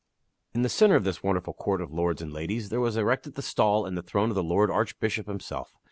In the centre of this wonderful court of lords and ladies there was erected the stall and the throne of the lord Archbishop himself.